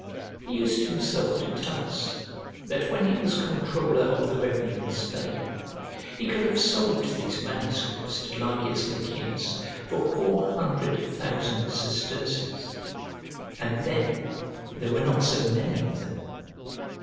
He used himself to tell us that when he was comptroller of the revenue in Spain, he could have sold these manuscripts to Largius Licinus for four hundred thousand sesterces, and then there were not so many of them.